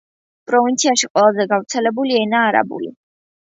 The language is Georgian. პროვინციაში ყველაზე გავრცელებული ენაა არაბული.